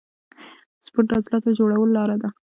سپورت د عضلاتو جوړولو لاره ده.